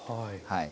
はい。